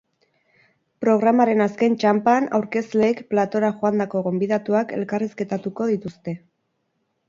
Programaren azken txanpan, aurkezleek platora joandako gonbidatuak elkarrizketatuko dituzte.